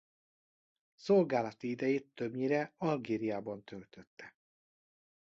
Szolgálati idejét többnyire Algériában töltötte.